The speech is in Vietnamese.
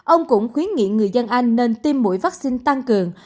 ông cũng khuyến nghị người dân anh nên tiêm mũi vaccine tăng cường